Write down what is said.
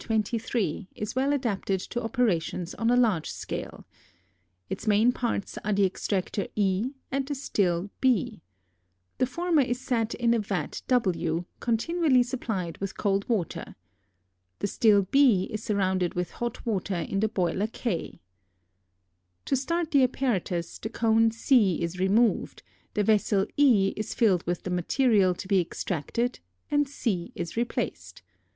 23 is well adapted to operations on a large scale. Its main parts are the extractor E and the still B. The former is set in a vat W continually supplied with cold water. The still B is surrounded with hot water in the boiler K. To start the apparatus the cone C is removed, the vessel E is filled with the material to be extracted, and C is replaced.